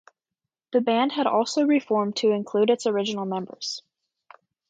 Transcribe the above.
The band had also reformed to include its original members.